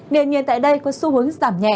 nhiệt nhiệt tại đây có xu hướng giảm nhẹ